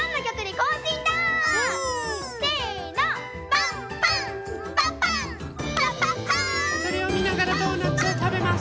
これをみながらドーナツをたべます。